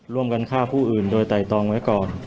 ร่วมกันฆ่าผู้อื่นโดยไตรตองไว้ก่อน